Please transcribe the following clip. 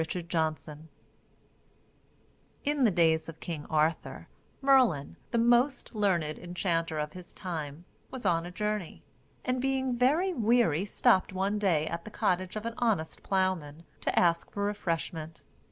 CHAPTER XII TOM THUMB In the days of King Arthur, Merlin, the most learned enchanter of his time, was on a journey; and, being very weary, stopped one day at the cottage of an honest ploughman to ask for refreshment.